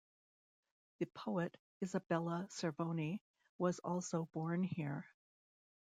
A poet Isabella Cervoni was also born here.